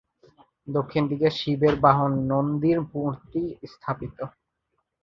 দক্ষিণ দিকে শিবের বাহন নন্দীর মূর্তি স্থাপিত।